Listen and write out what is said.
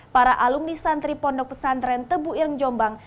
para alumni santri pondok pesantren tebu ireng jombang